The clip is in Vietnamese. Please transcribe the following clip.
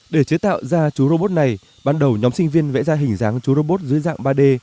để chế tạo ra chú robot này ban đầu nhóm sinh viên vẽ ra hình dáng chú robot dưới dạng ba d